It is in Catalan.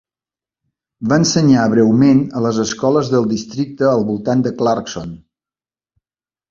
Va ensenyar breument a les escoles del districte al voltant de Clarkson.